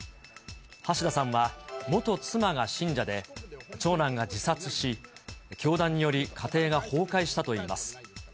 橋田さんは元妻が信者で、長男が自殺し、教団により、家庭が崩壊したといいます。